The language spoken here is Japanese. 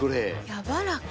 やわらか。